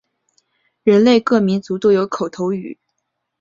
人类各民族都有口头语。